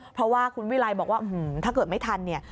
เพราะว่าคุณวิรัยบอกว่าถ้าเกิดไม่ทันเนี่ย